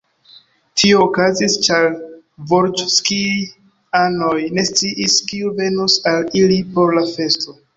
Tio okazis, ĉar volĵskij-anoj ne sciis, kiu venos al ili por la festo.